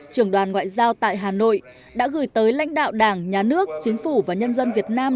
trưởng đoàn ngoại giao tại hà nội đã gửi tới lãnh đạo đảng nhà nước chính phủ và nhân dân việt nam